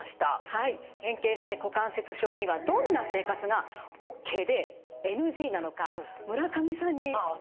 はい変形性股関節症にはどんな生活がＯＫでＮＧなのか村上さんに。